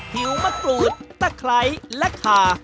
หิวมะกรูดตะไคร้และคา